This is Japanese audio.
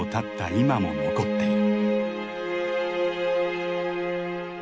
今も残っている。